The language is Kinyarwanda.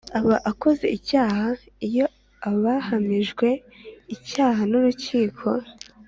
Aba akoze icyaha iyo ahamijwe icyaha n urukiko